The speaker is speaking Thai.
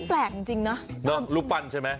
แล้วลูปปั้นใช่ไหม